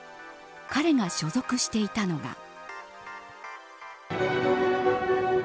彼が所属していたのが。